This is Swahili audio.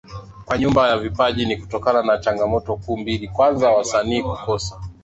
kwa nyumba ya vipaji ni kutokana na Changamoto kuu mbili Kwanza wasanii kukosa